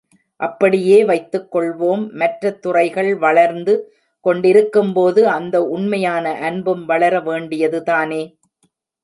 அப்படியே வைத்துக் கொள்வோம், மற்ற துறைகள் வளர்ந்து கொண்டிருக்கும்போது, அந்த உண்மையான அன்பும் வளர வேண்டியதுதானே?